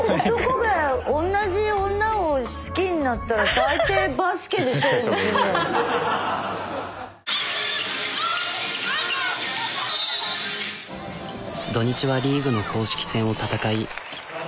男が同じ女を好きになったら土日はリーグの公式戦を戦い。